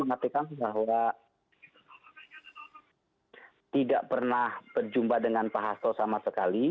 dan pak kapitra mengatakan bahwa tidak pernah berjumpa dengan pak hasto sama sekali